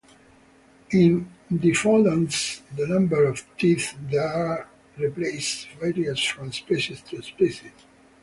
In diphyodonts, the number of teeth that are replaced varies from species to species.